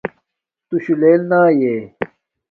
تُشُݸ لݵل نݳئݺ؟